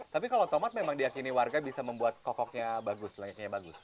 tapi kalau tomat memang diakini warga bisa membuat kokoknya bagus layaknya bagus